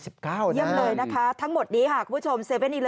เยี่ยมเลยนะคะทั้งหมดนี้ค่ะคุณผู้ชม๗๑๑